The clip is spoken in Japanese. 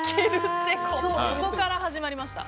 そこから始まりました。